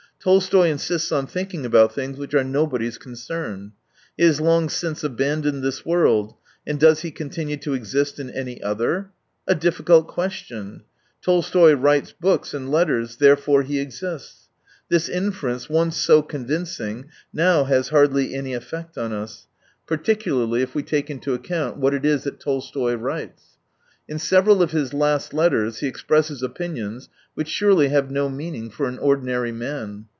Tolstoy insists on think ing about things which are nobody's concern. He has long since abandoned this world — and does he continue to exist in any other I Difficult question !" Tolstoy writes books and letters, therefore he exists." This inference, once so convincing, now has hardly any effect on us : particularly if we 167 take Into account what it is that Tolstoy writes. In several of his last letters he expresses opinions which surely have no meaning for an ordinary man.